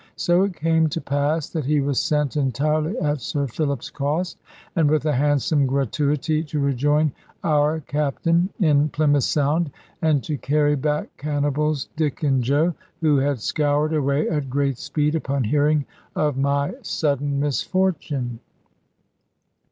So it came to pass that he was sent, entirely at Sir Philip's cost, and with a handsome gratuity, to rejoin our Captain in Plymouth Sound, and to carry back Cannibals Dick and Joe, who had scoured away at great speed upon hearing of my sudden misfortune.